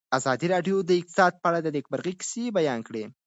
ازادي راډیو د اقتصاد په اړه د نېکمرغۍ کیسې بیان کړې.